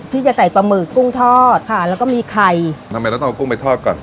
จะใส่ปลาหมึกกุ้งทอดค่ะแล้วก็มีไข่ทำไมเราต้องเอากุ้งไปทอดก่อน